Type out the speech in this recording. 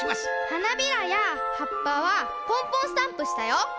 はなびらやはっぱはぽんぽんスタンプしたよ。